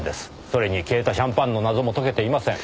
それに消えたシャンパンの謎も解けていません。